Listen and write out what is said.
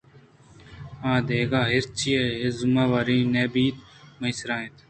آدگہ ہرچی ءِ ذمہ واری ئے بیت منی سرا اِنت